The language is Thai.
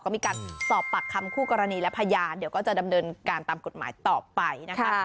ก็มีการสอบปากคำคู่กรณีและพยานเดี๋ยวก็จะดำเนินการตามกฎหมายต่อไปนะคะ